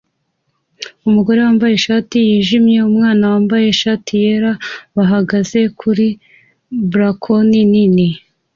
Umugore wambaye ishati yijimye numwana wambaye ishati yera bahagaze kuri balkoni nini